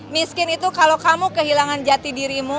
miskin itu kalau kamu kehilangan jati dirimu